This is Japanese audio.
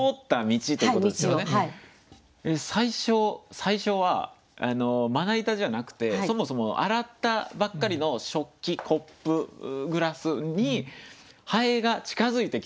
最初はまな板じゃなくてそもそも洗ったばっかりの食器コップグラスに蠅が近づいてきてると。